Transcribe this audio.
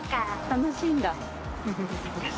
楽しいんだ。